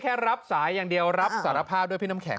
รับสายอย่างเดียวรับสารภาพด้วยพี่น้ำแข